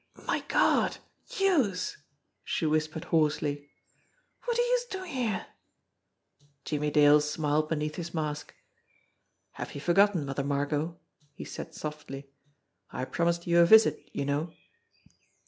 "My Gawd youse!" she whispered hoarsely. "Wot're youse doin' here?" Jimmie Dale smiled beneath his mask. "Have you forgotten, Mother Margot?" he said softly. "I promised you a visit, you know."